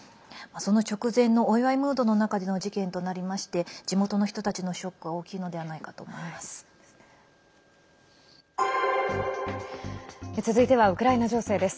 その直前のお祝いムードの中での事件となりまして地元の人たちのショックは大きいのではないかと思います。